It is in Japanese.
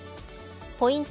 ポイント